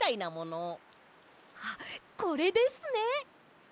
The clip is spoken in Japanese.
あっこれですね！